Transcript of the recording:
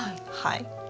はい。